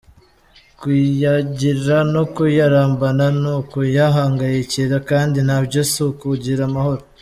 Kuyagira no kuyarambana ni ukuyahangayikira kandi nabyo si ukugira amahoro!.